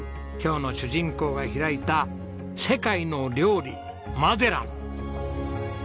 今日の主人公が開いた「世界の料理マゼラン」。